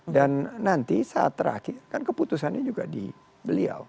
nanti saat terakhir kan keputusannya juga di beliau